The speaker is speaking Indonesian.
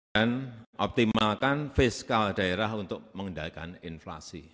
dan optimalkan fiskal daerah untuk mengendalikan inflasi